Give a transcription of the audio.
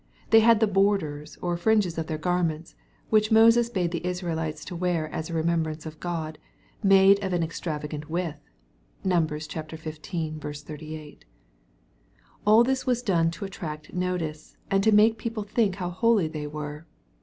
They had the " borders," or fringes of their garments, which Moses bade Israelites to wear as a remembrance of God, made of an extravagant width. (Num. XV. 38.) And all this was done to attract no tice, and to make people think how holy they were.